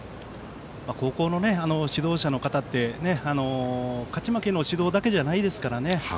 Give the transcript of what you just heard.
高校の指導者の方って勝ち負けだけじゃないですからね。